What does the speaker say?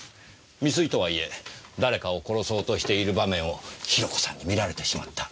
未遂とはいえ誰かを殺そうとしている場面をヒロコさんに見られてしまった。